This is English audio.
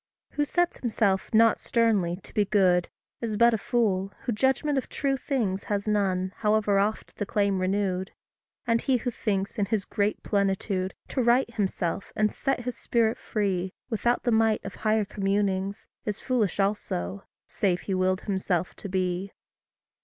Who sets himself not sternly to be good, Is but a fool, who judgment of true things Has none, however oft the claim renewed. And he who thinks, in his great plenitude, To right himself, and set his spirit free, Without the might of higher communings, Is foolish also save he willed himself to be.